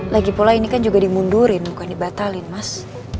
lagipula ini kan juga dimundurin bukan dibatalin mas